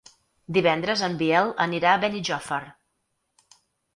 Divendres en Biel anirà a Benijòfar.